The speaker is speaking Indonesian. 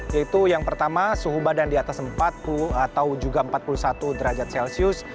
yaitu yang pertama suhu badan di atas empat puluh atau juga empat puluh satu derajat celcius